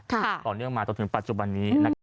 ค่ะต่อเนื่องมาต่อถึงปัจจุบันนี้